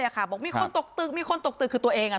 บอกมีคนตกตึกมีคนตกตึกคือตัวเอง